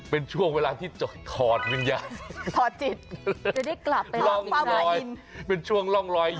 เป็นช่วงเวลาที่ทอดวิญญาณทอดจิตร่องลอยเป็นช่วงร่องลอย